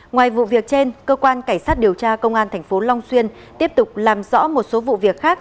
ngoài vụ việc trên cơ quan cảnh sát điều tra công an tp long xuyên tiếp tục làm rõ một số vụ việc khác